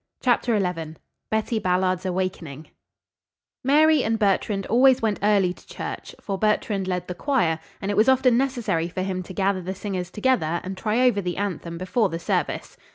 CHAPTER XI BETTY BALLARD'S AWAKENING Mary and Bertrand always went early to church, for Bertrand led the choir, and it was often necessary for him to gather the singers together and try over the anthem before the service.